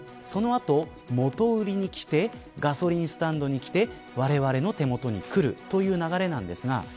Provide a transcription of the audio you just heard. そのあと、元売りに来てガソリンスタンドに来てわれわれの手元にくるという流れです。